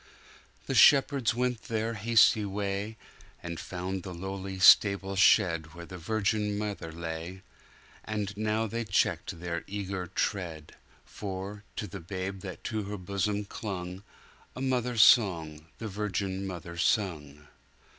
The shepherds went their hasty way, And found the lowly stable shedWhere the virgin mother lay:And now they checked their eager trend, For, to the Babe that at her bosom clung,A mother's song the virgin mother sung.